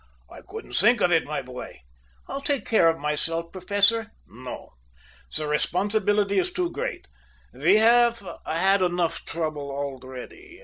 "I couldn't think of it, my boy." "I'll take care of myself, Professor." "No. The responsibility is too great. We have had enough trouble already.